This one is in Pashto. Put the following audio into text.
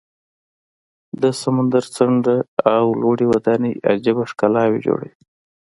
د سمندر څنډه او لوړې ودانۍ عجیبه ښکلا جوړوي.